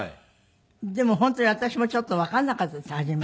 でも本当に私もちょっとわからなかったです初め。